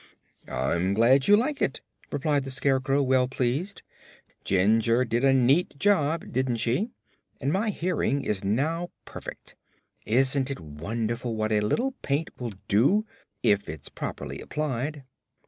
"I'm glad you like it," replied the Scarecrow, well pleased. "Jinjur did a neat job, didn't she? And my hearing is now perfect. Isn't it wonderful what a little paint will do, if it's properly applied?"